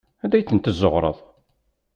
Anda ay ten-tezzuɣreḍ?